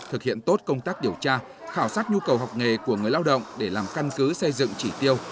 thực hiện tốt công tác điều tra khảo sát nhu cầu học nghề của người lao động để làm căn cứ xây dựng chỉ tiêu